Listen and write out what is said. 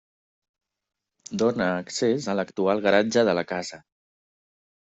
Dóna accés a l'actual garatge de la casa.